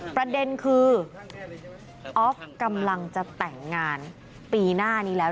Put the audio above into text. ประเด็นคือออฟกำลังจะแต่งงานปีหน้านี้แล้ว